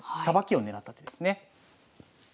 さばきを狙った手ですね。